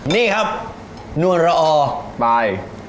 นี่ครับนวรอไป